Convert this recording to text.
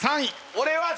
俺は。